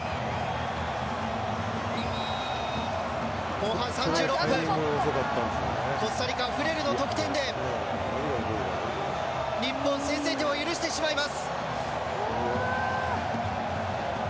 後半３６分、コスタリカ日本、先制点を許してしまいます。